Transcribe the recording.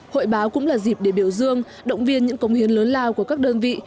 hội báo cũng là dịp để biểu dương động viên những công hiến lớn lao của các đơn vị